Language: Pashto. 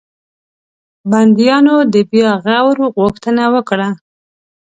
بنديانو د بیا غور غوښتنه وکړه.